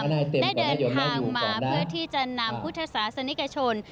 ได้เดินทางมาเพื่อที่จะนำพุทธศาสนิกชน